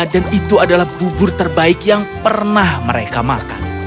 dan itu adalah bubur terbaik yang pernah mereka makan